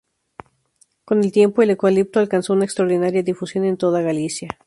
Con el tiempo, el eucalipto alcanzó una extraordinaria difusión en toda Galicia.